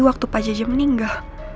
waktu pak jajah meninggal